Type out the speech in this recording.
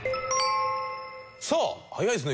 さあ早いですね